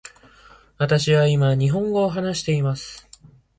私は今日本語を話しています。